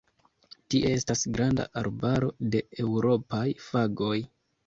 Tie estas granda arbaro de eŭropaj fagoj.